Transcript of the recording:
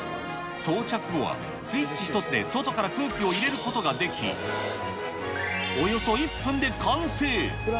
装着後はスイッチ一つで外から空気を入れることができ、およそ１分で完成。